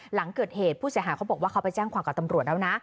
หลังเกิดเหตุผู้เสียหายเขาบอกว่าเขาไปแจ้งความกับตำรวจแล้วนะ